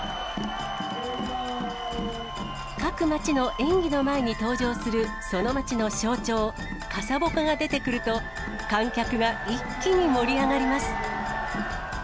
各町の演技の前に登場する、その町の象徴、傘鉾が出てくると、観客が一気に盛り上がります。